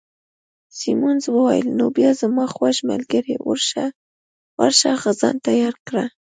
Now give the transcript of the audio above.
سیمونز وویل: نو بیا زما خوږ ملګرې، ورشه ځان تیار کړه.